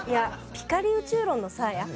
ピカリ宇宙論のサーヤ。